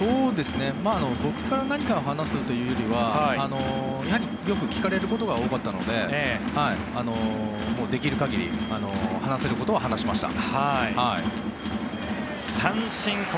僕から何か話すというよりはやはり、よく聞かれることが多かったのでできる限り話せることは話しました。